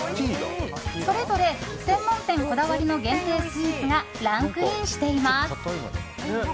それぞれ専門店こだわりの限定スイーツがランクインしています。